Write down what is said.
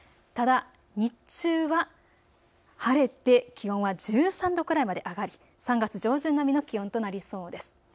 ただ日中は晴れて気温は１３度くらいまで上がり３月上旬並みの気温となりそうです。